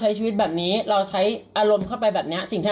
แอรี่แอรี่แอรี่แอรี่แอรี่แอรี่แอรี่